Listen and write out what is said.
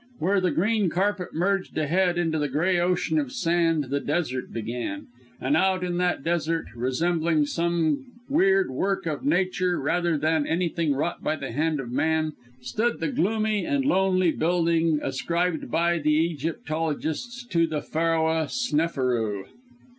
Where the green carpet merged ahead into the grey ocean of sand the desert began, and out in that desert, resembling some weird work of Nature rather than anything wrought by the hand of man, stood the gloomy and lonely building ascribed by the Egyptologists to the Pharaoh Sneferu.